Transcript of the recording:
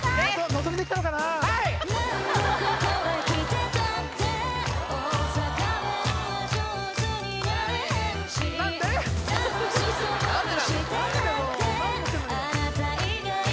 のぞみで来たのかな何で？